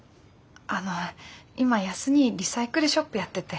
あの今康にぃリサイクルショップやってて。